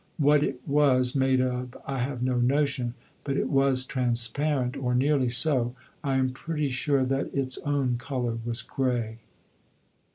What it was made of I have no notion; but it was transparent or nearly so. I am pretty sure that its own colour was grey.